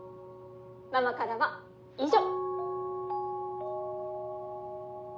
ママからは以上！